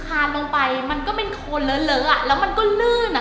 คานลงไปมันก็เป็นโคนเลอะแล้วมันก็ลื่นอ่ะ